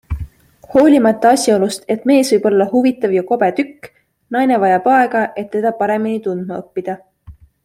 Hoolimata asjaolust, et mees võib olla huvitav ja kobe tükk - naine vajab aega, et teda paremini tundma õppida.